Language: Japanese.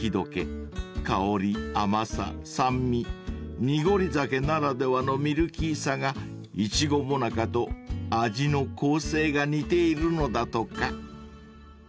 ［香り甘さ酸味濁り酒ならではのミルキーさがいちごもなかと味の構成が似ているのだとか］